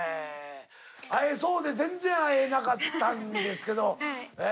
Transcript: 会えそうで全然会えなかったんですけどえ